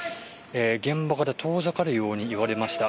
現場から遠ざかるように言われました。